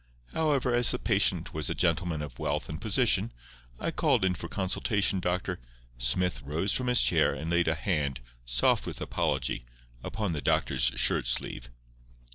However, as the patient was a gentleman of wealth and position, I called in for consultation Dr.—" Smith rose from his chair, and laid a hand, soft with apology, upon the doctor's shirt sleeve.